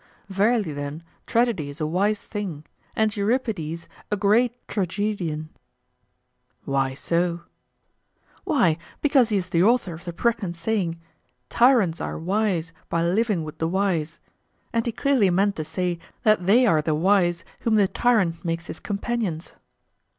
Verily, then, tragedy is a wise thing and Euripides a great tragedian. Why so? Why, because he is the author of the pregnant saying, 'Tyrants are wise by living with the wise;' and he clearly meant to say that they are the wise whom the tyrant makes his companions.